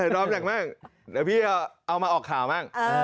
ดอมหนักบ้างเดี๋ยวพี่เอามาออกข่าวบ้าง